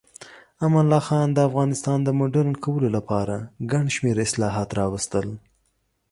امان الله خان د افغانستان د مډرن کولو لپاره ګڼ شمیر اصلاحات راوستل.